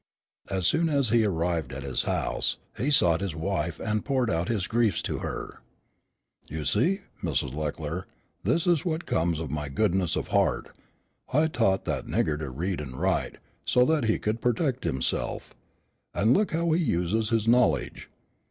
As soon as he arrived at his house, he sought his wife and poured out his griefs to her. "You see, Mrs. Leckler, this is what comes of my goodness of heart. I taught that nigger to read and write, so that he could protect himself, and look how he uses his knowledge.